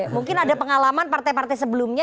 mungkin ada pengalaman partai partai sebelumnya